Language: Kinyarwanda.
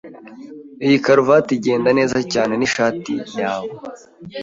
Iyi karuvati igenda neza cyane nishati yawe.